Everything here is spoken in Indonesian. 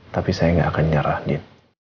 tapi saya gak akan nyarah din